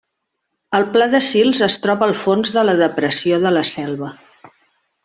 El pla de Sils es troba al fons de la Depressió de la Selva.